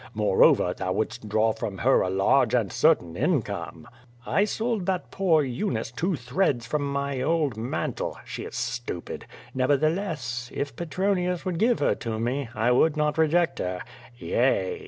Moreover, thou wouldst draw from her a large and certain income. I sold that poor Eunice two threads from my old mantle. She is stupid. Nevertheless, if Petronius would give her to me, I would not reject her. Yea!